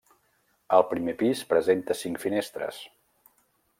El primer pis presenta cinc finestres.